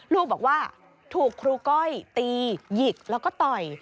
ลูกบอกว่าถูกครูก้อยตีหยิกแล้วก็ต่อย